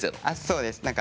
あそうです。